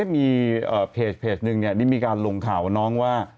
มีเพจหนึ่งได้มีการลงข่าวน้องว่า